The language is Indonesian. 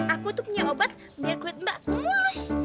aku tuh punya obat biar kulit mbak mulus